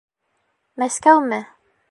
Мәскәүме?